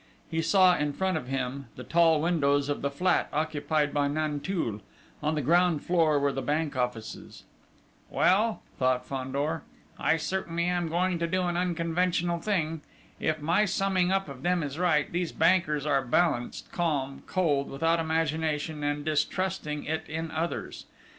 He saw, in front of him, the tall windows of the flat occupied by Nanteuil: on the ground floor were the bank offices. "Well," thought Fandor, "I certainly am going to do an unconventional thing. If my summing up of them is right, these bankers are balanced, calm, cold, without imagination, and distrusting it in others.